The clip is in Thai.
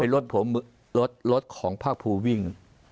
รถของภาคภูมิวิ่ง